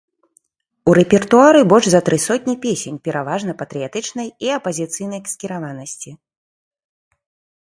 У рэпертуары больш за тры сотні песень пераважна патрыятычнай і апазіцыйнай скіраванасці.